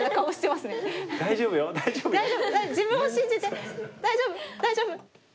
大丈夫よ大丈夫よ。